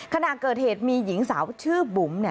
ขณะเกิดเหตุมีหญิงสาวชื่อบุ๋ม